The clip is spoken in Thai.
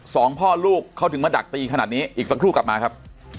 สองพ่อลูกเขาถึงมาดักตีขนาดนี้อีกสักครู่กลับมาครับ